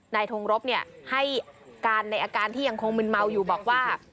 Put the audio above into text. ทงรบให้การในอาการที่ยังคงมึนเมาอยู่บอกว่า